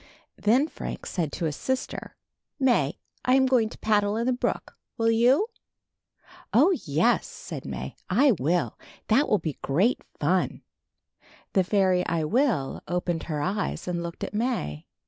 Then Frank said to his sister: "May, I am going to paddle in the brook. Will you?" "Oh, yes," said May, "I will. That will be great fun." The fairy I Will opened her eyes and looked at May.